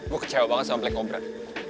gue kecewa banget sama black obrak